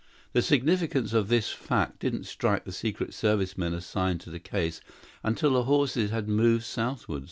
The significance of this fact didn't strike the Secret Service men assigned to the case until the horses had moved southward.